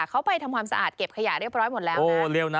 เขาไปทำความสะอาดเก็บขยะเรียบร้อยหมดแล้วนะ